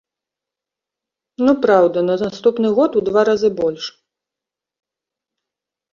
Ну, праўда, на наступны год у два разы больш.